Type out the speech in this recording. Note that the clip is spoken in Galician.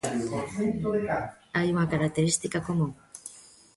Hai unha característica común.